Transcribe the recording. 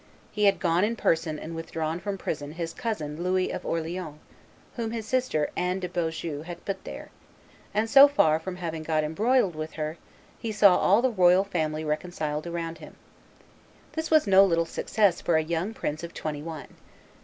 He had gone in person and withdrawn from prison his cousin Louis of Orleans, whom his sister, Anne de Beaujeu, had put there; and so far from having got embroiled with her, he saw all the royal family reconciled around him. This was no little success for a young prince of twenty one.